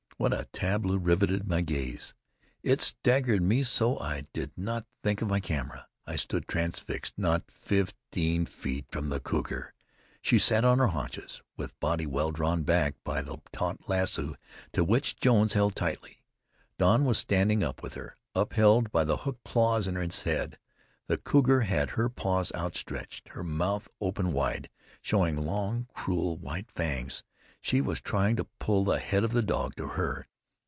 What a tableau rivited my gaze! It staggered me so I did not think of my camera. I stood transfixed not fifteen feet from the cougar. She sat on her haunches with body well drawn back by the taut lasso to which Jones held tightly. Don was standing up with her, upheld by the hooked claws in his head. The cougar had her paws outstretched; her mouth open wide, showing long, cruel, white fangs; she was trying to pull the head of the dog to her.